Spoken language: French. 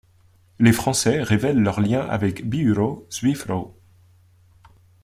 Les Français révèlent leurs liens avec le Biuro Szyfrów.